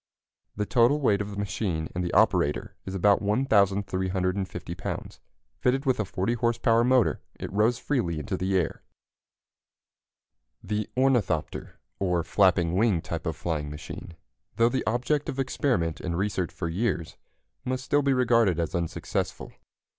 The total weight of machine and operator is about 1,350 lbs. Fitted with a 40 horse power motor, it rose freely into the air. The ornithopter, or flapping wing type of flying machine, though the object of experiment and research for years, must still be regarded as unsuccessful.